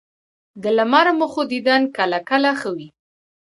د لمر مخو دیدن کله کله ښه وي